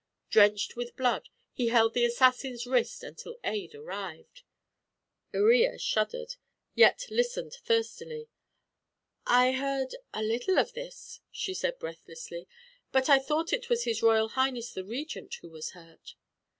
Drenched with blood, he held the assassin's wrist until aid arrived." Iría shuddered, yet listened thirstily. "I heard a little of this," she said breathlessly. "But I thought it was his Royal Highness the Regent who was hurt."